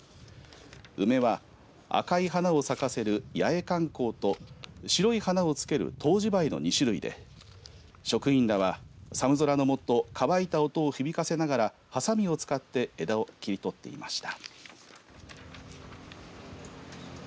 梅は赤い花を咲かせる八重寒紅と白い花をつける冬至梅の２種類で職員らは寒空の下乾いた音を響かせながらはさみを使って枝を切り取っていました。